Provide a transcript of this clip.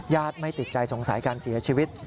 ไม่ติดใจสงสัยการเสียชีวิต